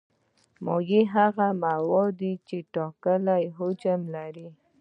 مایع هغه مواد دي چې ټاکلی حجم لري.